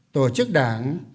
tổ chức đảng